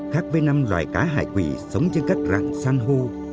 các vây năm loài cá hải quỳ sống trên các rạng san hô